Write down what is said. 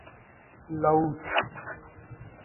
Laos